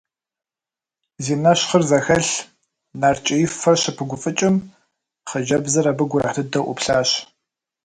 Зи нэщхъыр зэхэлъ, нарт ткӀиифэр щыпыгуфӀыкӀым, хъыджэбзыр абы гурыхь дыдэу Ӏуплъащ.